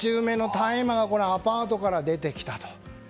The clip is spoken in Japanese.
大麻がアパートから出てきたと。